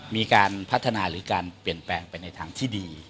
มีการพัฒนาหรือการเปลี่ยนแปลงไปในทางที่ดี